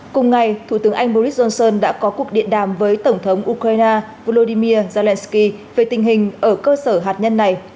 cùng ngày thủ tướng anh boris johnson đã có cuộc điện đàm với tổng thống ukraine volodymyr zelensky về tình hình ở cơ sở hạt nhân này